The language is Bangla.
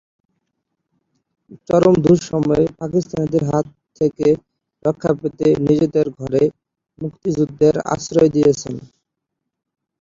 চরম দুঃসময়ে পাকিস্তানিদের হাত থেকে রক্ষা পেতে নিজেদের ঘরে মুক্তিযোদ্ধাদের আশ্রয় দিয়েছেন।